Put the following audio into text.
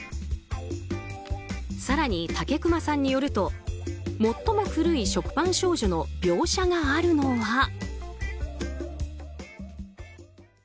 更に竹熊さんによると最も古い食パン少女の描写があるのは。